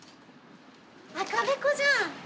赤べこじゃん。